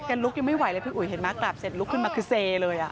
กันลุกยังไม่ไหวเลยเพราะเห็นมักตาบเสร็จลุกขึ้นมาคือเซเลย